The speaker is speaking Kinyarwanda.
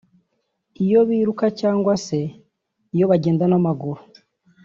iyo biruka cyangwa se iyo bagenda n’amaguru